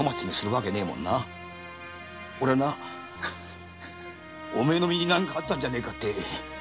おれはなお前の身に何かあったんじゃねえかと心配してたんだよ。